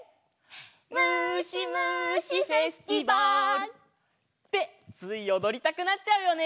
「むしむしフェスティバル」ってついおどりたくなっちゃうよね！